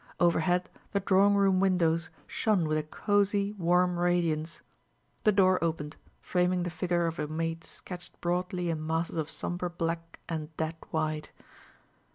Overhead the drawing room windows shone with a cozy, warm radiance. The door opened, framing the figure of a maid sketched broadly in masses of somber black and dead white.